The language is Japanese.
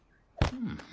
うん。